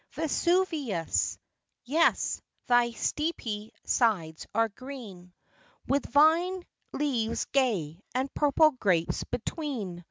Vesuvius ! yes, thy steepy sides are green, With vine leaves gay, and purple grapes between.